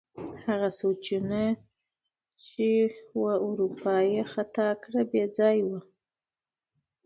هغه سوچونه چې واروپار یې ختا کړ، بې ځایه وو.